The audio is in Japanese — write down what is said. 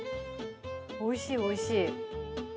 おいしい、おいしい。